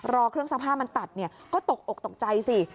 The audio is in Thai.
รอเครื่องซักผ้ามันตัดเนี่ยก็ตกอกตกใจสิ